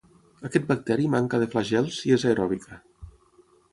Aquest bacteri manca de flagels i és aeròbica.